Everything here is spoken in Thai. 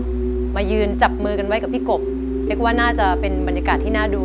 เรียกว่าน่าจะเป็นบรรยากาศหรือปีกบฟิกว่าน่าจะเป็นบรรยากาศที่น่ารู้